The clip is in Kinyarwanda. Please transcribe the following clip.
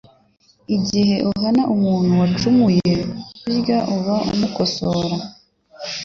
Igihe uhana umuntu wacumuye burya uba umukosora